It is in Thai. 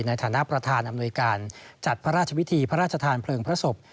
ในฐานะประธานอำนวยการจัดพระราชวิธีพระราชทานเพลิงพระศพ